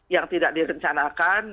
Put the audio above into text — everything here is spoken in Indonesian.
yang tidak direncanakan